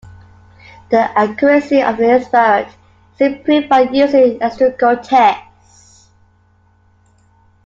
The accuracy of the aspirate is improved by using the Gastroccult test.